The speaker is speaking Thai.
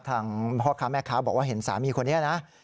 พ่อค้าแม่ค้าบอกว่าเห็นสามีคนนี้นะ